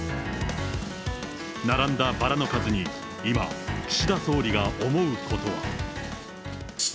並んだバラの数に今、岸田総理が思うことは。